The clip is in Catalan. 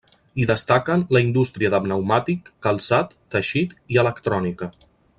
Hi destaquen la indústria de pneumàtic, calçat, teixit i electrònica.